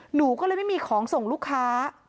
หนูก็เลยไม่มีของส่งลูกค้า